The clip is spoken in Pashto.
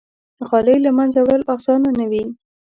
غالۍ له منځه وړل آسانه نه وي.